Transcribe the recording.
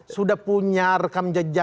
sudah punya rekam jejak